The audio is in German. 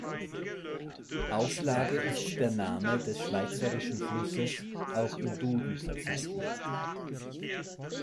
Auflage ist der Name des schweizerischen Flusses auch im Duden verzeichnet.